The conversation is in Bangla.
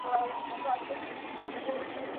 অথচ কুরআন নাযিল করা হয়েছে আরবী ভাষায়।